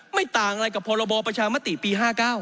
ไม่ต่างอะไรกับพรบประชามติปี๕๙